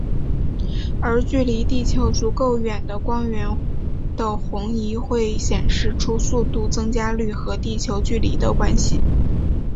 而距离地球足够远的光源的红移就会显示出速度增加率和地球距离的关系。